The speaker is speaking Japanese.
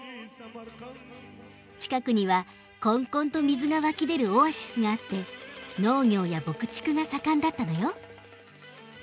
近くにはこんこんと水が湧き出るオアシスがあって農業や牧畜が盛んだったのよ。